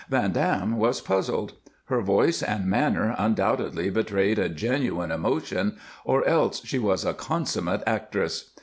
Van Dam was puzzled. Her voice and manner undoubtedly betrayed a genuine emotion, or else she was a consummate actress.